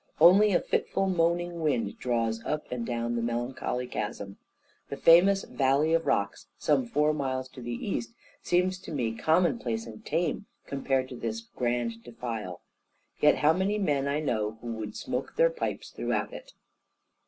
Only a fitful moaning wind draws up and down the melancholy chasm. The famous "Valley of Rocks," some four miles to the east, seems to me common place and tame compared to this grand defile. Yet how many men I know who would smoke their pipes throughout it!